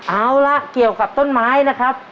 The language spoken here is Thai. เอาละเกี่ยวกับต้นไม้นะครับ